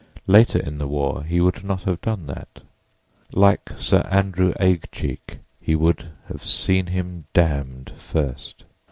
Later in the war he would not have done that; like Sir Andrew Aguecheek, he would have "seen him damned" first.